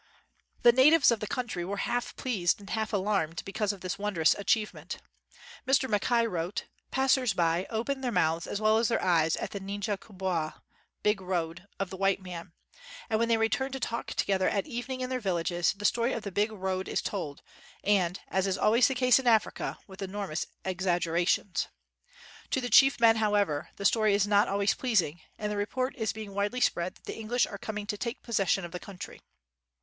The natives of the country were half pleased and half alarmed because of this wondrous achievement. Mr. Mackay wrote : "Passers by open their mouths as well as their eyes at the njia kubiva [big road] of the white man ; and when they return to talk together at evening in their villages, the story of the 'big road' is told, and, as is al ways the case in Africa, with enormous ex aggerations. To the chief men, however, the story is not always pleasing ; and the re port is being widely spread that the English are coming to take possession of the coun try.